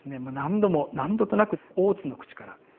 もう何度も何度となく大津の口から。